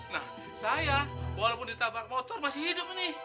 nah saya walaupun ditabrak motor masih hidup nih